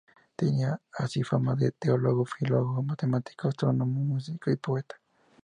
Tenía así fama de teólogo, filólogo, matemático, astrónomo, músico y poeta.